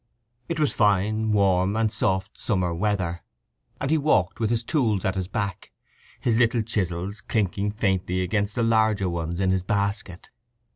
It was fine, warm, and soft summer weather, and he walked with his tools at his back, his little chisels clinking faintly against the larger ones in his basket.